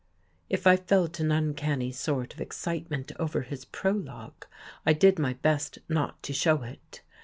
If I felt an uncanny sort of excitement over his prologue, I did my best not to show it.